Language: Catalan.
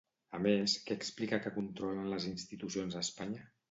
A més, què explica que controlen les institucions a Espanya?